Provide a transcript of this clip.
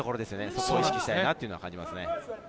そこを意識したいなと感じますね。